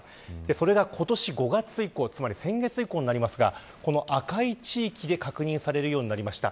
それが今年５月以降つまり先月以降ですが赤い地域で確認されるようになりました。